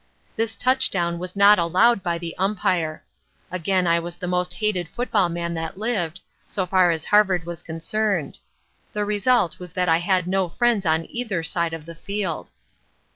This touchdown was not allowed by the Umpire. Again I was the most hated football man that lived, so far as Harvard was concerned. The result was I had no friends on either side of the field.